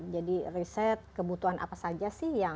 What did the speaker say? jadi riset kebutuhan apa saja